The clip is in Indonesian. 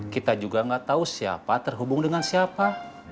kita juga nggak tahu siapa terhubung dengan siapa